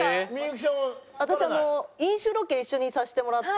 私飲酒ロケ一緒にさせてもらって。